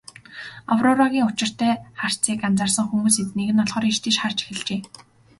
Аврорагийн учиртай харцыг анзаарсан хүмүүс эзнийг нь олохоор ийш тийш харж эхэлжээ.